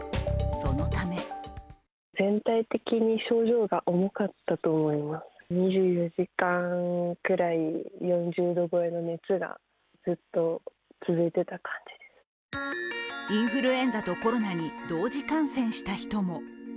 そのためインフルエンザとコロナに同時感染した人も。